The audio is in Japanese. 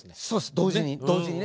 同時に同時にね。